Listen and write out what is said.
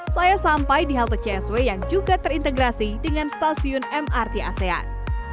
saya sampai di halte csw yang juga terintegrasi dengan stasiun mrt asean